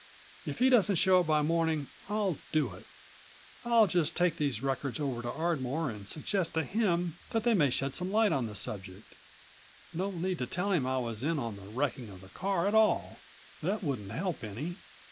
If he doesn't shew up by morning I'll do it. I'll just take these records over to Ardmore and suggest to him that they may shed some light on the subject. Don't need to tell him I was in on the wrecking of the car at all. That wouldn't help any.